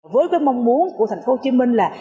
với cái mong muốn của thành phố hồ chí minh là